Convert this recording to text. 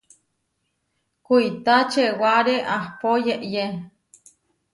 Kuitá čewaré ahpó yeʼyé.